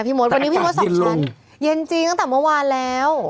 มดวันนี้พี่มดสองชั้นเย็นจริงตั้งแต่เมื่อวานแล้ว